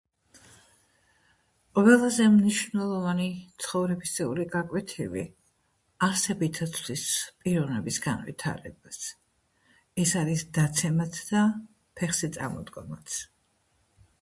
ყველაზე მნიშვნელოვანი ცხოვრებისეული გაკვეთილი არსებითად ცვლის პიროვნების განვითარებას, ეს არის დაცემაც და ფეხზე წამოდგომაც.